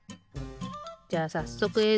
じゃあさっそくえい